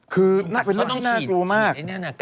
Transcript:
คือน่าจะเป็นเรื่องน่ากลัวมาก